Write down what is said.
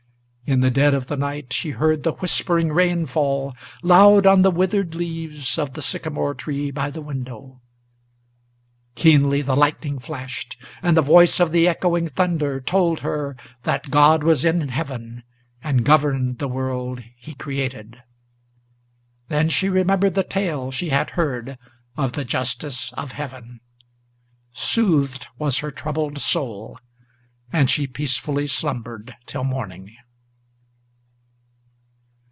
In the dead of the night she heard the whispering rain fall Loud on the withered leaves of the sycamore tree by the window. Keenly the lightning flashed; and the voice of the echoing thunder Told her that God was in heaven, and governed the world he created! Then she remembered the tale she had heard of the justice of Heaven; Soothed was her troubled soul, and she peacefully slumbered till morning.